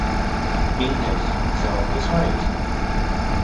Mīļais! Zelta zvaigzne.